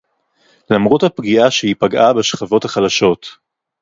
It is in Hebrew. למרות הפגיעה שהיא פגעה בשכבות החלשות